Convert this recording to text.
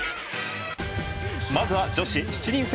まずは女子７人制